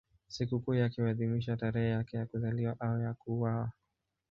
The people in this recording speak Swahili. Sikukuu yake huadhimishwa tarehe yake ya kuzaliwa au ya kuuawa.